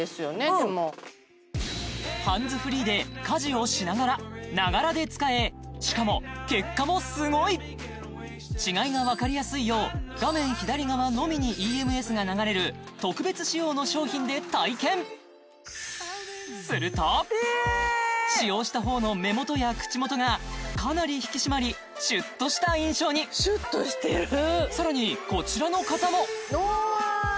でもハンズフリーで家事をしながらながらで使えしかも結果もすごい違いが分かりやすいよう画面左側のみにＥＭＳが流れる特別仕様の商品で体験すると使用したほうの目元や口元がかなり引き締まりシュッとした印象にシュッとしてるさらにこちらの方もうわうわ